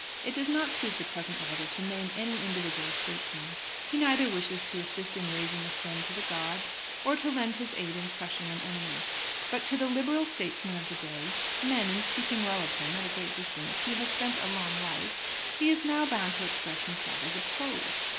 It does not suit the present writer to name any individual statesman. He neither wishes to assist in raising a friend to the gods, or to lend his little aid in crushing an enemy. But to the Liberal statesmen of the day, men in speaking well of whom at a great distance he has spent a long life, he is now bound to express himself as opposed.